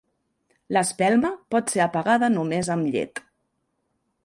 L'espelma pot ser apagada només amb llet.